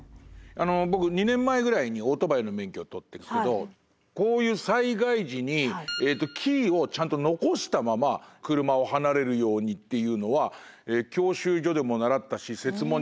あの僕２年前ぐらいにオートバイの免許を取ったんですけどこういう災害時にキーをちゃんと残したまま車を離れるようにっていうのは教習所でも習ったし設問にもありましたね。